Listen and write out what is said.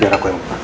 biar aku yang buka